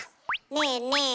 ねえねえ